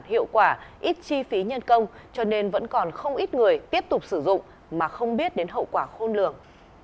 hiệu quả ít chi phí nhân công cho nên vẫn còn không ít người tiếp tục sử dụng mà không biết đến hậu quả khôn lường